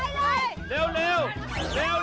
เกิดเหลือ๑ขั้นตรู